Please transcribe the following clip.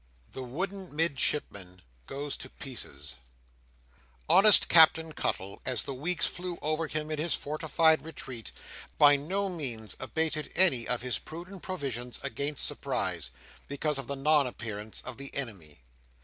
The Wooden Midshipman goes to Pieces Honest Captain Cuttle, as the weeks flew over him in his fortified retreat, by no means abated any of his prudent provisions against surprise, because of the non appearance of the enemy.